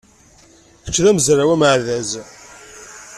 Kečč d amezraw ameɛdaz.